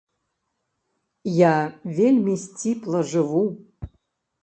Я вельмі сціпла жыву.